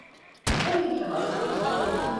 Tabii ki haklıyım.